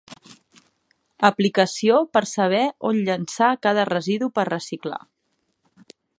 Aplicació per saber on llençar cada residu per reciclar.